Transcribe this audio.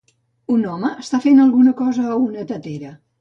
Un home està fent alguna cosa a una tetera.